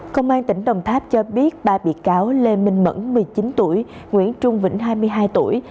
công an tỉnh đồng tháp cho biết ba bị cáo lê minh mẫn một mươi chín tuổi nguyễn trung vĩnh hai mươi hai tuổi